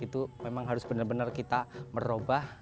itu memang harus benar benar kita merubah